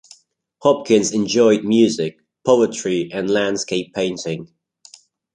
Hopkins enjoyed music, poetry and landscape painting.